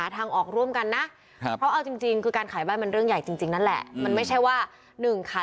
ตำรวจมาก็ต้องมาค่ะ